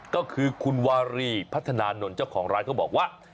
ก็คือคุณวารีพัฒนานนท์เจ้าของร้านเขาบอกว่า